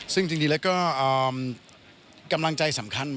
ซึ่งจริงแล้วก็กำลังใจสำคัญ